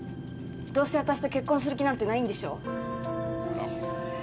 どうせ私と結婚する気なんてないんでしょ？